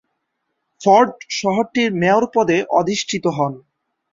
Ford শহরটির mayor পদে অধিষ্ঠিত হন।